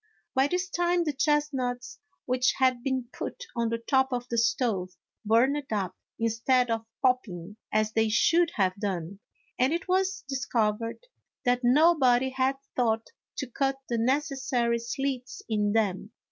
By this time, the chestnuts which had been put on the top of the stove burned up, instead of pop ping as they should have done, and it was discovered that nobody had thought to cut the necessary slits in them.